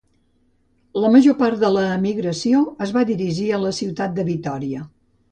La major part de l'emigració es va dirigir a la ciutat de Vitòria.